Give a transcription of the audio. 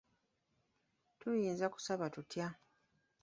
Tuyinza kusaba tutya?